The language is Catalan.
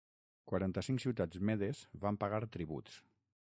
Quaranta-cinc ciutats medes van pagar tributs.